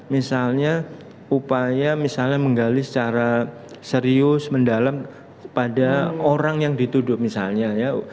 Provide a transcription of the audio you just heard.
misalnya upaya misalnya menggali secara serius mendalam kepada orang yang dituduh misalnya ya